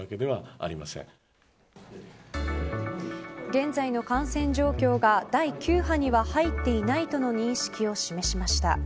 現在の感染状況が第９波には入っていないとの認識を示しました。